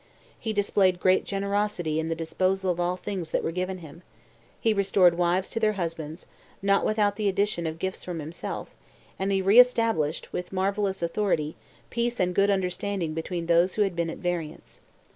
He displayed great generosity in the disposal of all things that were given him. He restored wives to their husbands, not without the addition of gifts from himself, and he re established, with marvellous authority, peace and good understanding between those who had been at variance.